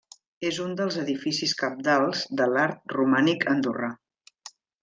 És un dels edificis cabdals de l'art romànic andorrà.